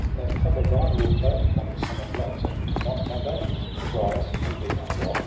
that club of thine will float Upon the summer floods, and not my bones. But rise, and be not wroth